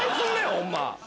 ホンマ。